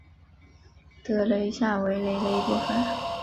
德雷下韦雷的一部分。